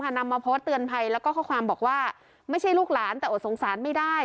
นำมาโพสต์เตือนภัยแล้วก็ข้อความบอกว่าไม่ใช่ลูกหลานแต่อดสงสารไม่ได้